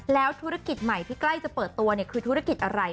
แล้วธุรกิจใหม่ที่ใกล้จะเปิดตัวคือธุรกิจอะไร